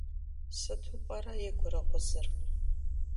Сыту пӏэрэ и гурыгъузыр?